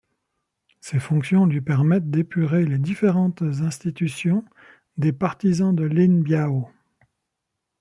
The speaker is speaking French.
Ces fonctions lui permettent d'épurer les différentes institutions des partisans de Lin Biao.